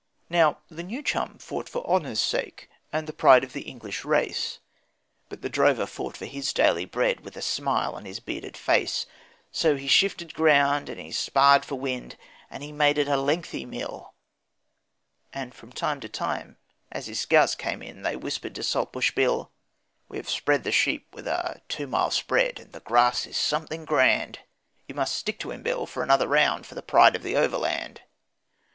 Now, the new chum fought for his honour's sake and the pride of the English race, But the drover fought for his daily bread with a smile on his bearded face; So he shifted ground and he sparred for wind and he made it a lengthy mill, And from time to time as his scouts came in they whispered to Saltbush Bill 'We have spread the sheep with a two mile spread, and the grass it is something grand, You must stick to him, Bill, for another round for the pride of the Overland.'